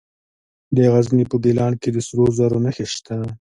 د غزني په ګیلان کې د سرو زرو نښې شته.